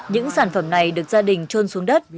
những sản phẩm này được gia đình trôn xuống đất